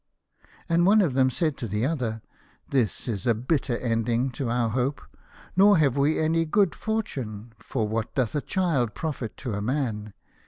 And one of them said to the other :" This is a bitter ending to our hope, nor have we any good fortune, for what doth a child profit to a man